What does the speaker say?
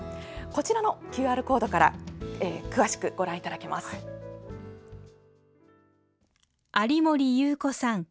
こちらのＱＲコードから詳しくご覧いただけます。